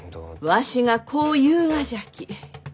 わしがこう言うがじゃき。